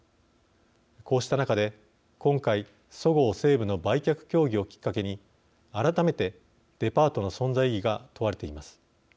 こうした中で今回そごう・西武の売却協議をきっかけに改めてデパートの存在意義が問われています。